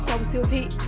trong siêu thị